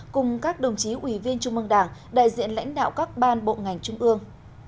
cùng các đồng chí ủy viên trung mương đảng đại diện lãnh đạo các ban bộ ngành trung ương